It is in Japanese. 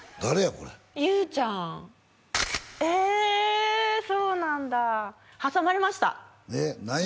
これ雄ちゃんえそうなんだ挟まれました何や？